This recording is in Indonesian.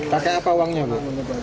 pakai apa uangnya bu